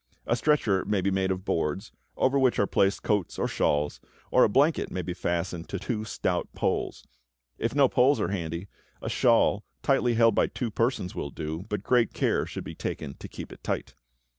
A stretcher may be made of boards, over which are placed coats or shawls, or a blanket may be fastened to two stout poles; if no poles are handy, a shawl tightly held by two persons will do, but great care should be taken to keep it tight.